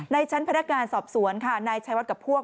ในชั้นพนักงานสอบสวนค่ะนายชัยวัดกับพวก